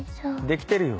できてるんよ